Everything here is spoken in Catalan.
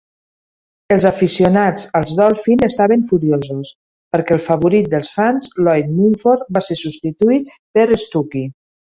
Els aficionats als Dolphin estaven furiosos perquè el favorit dels fans Lloyd Mumphord va ser substituït per Stuckey.